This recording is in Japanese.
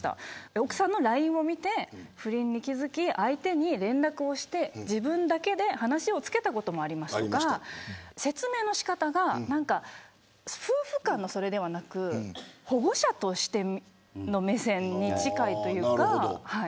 奥さんのＬＩＮＥを見て不倫に気付き、相手に連絡をして自分だけで話をつけたこともありますとか説明の仕方が夫婦間のそれではなく保護者としての目線に近いというか。